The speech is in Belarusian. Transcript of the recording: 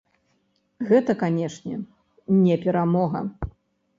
Гэта, канешне, не перамога.